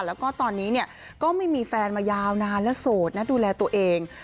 แล้วก็ตอนนี้เนี่ยก็ไม่มีแฟนมายาวนานและโสดนะดูแลตัวเอง